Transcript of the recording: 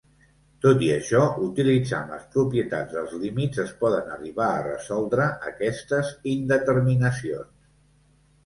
Tot i això, utilitzant les propietats dels límits es poden arribar a resoldre aquestes indeterminacions.